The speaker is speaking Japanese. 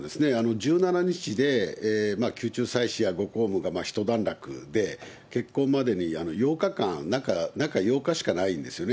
１７日で宮中祭祀やご公務が一段落で、結婚までに８日間、中８日しかないんですよね。